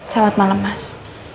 selamat malam mas